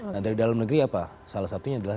nah dari dalam negeri apa salah satunya adalah